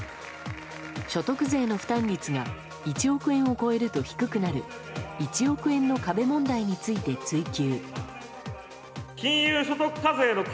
所得税の負担率が１億円を超えると低くなる１億円の壁問題について追及。